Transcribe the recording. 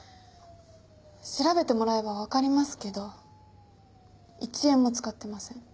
調べてもらえばわかりますけど１円も使ってません。